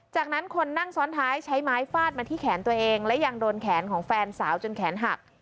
จากนั้นคนนั่งซ้อนท้ายใช้ไม้ฟาดมาที่แขนตัวเองและยังโดนแขนของแฟนสาวจนแขนหัก